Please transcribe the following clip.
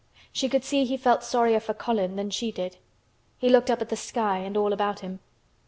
She could see he felt sorrier for Colin than she did. He looked up at the sky and all about him.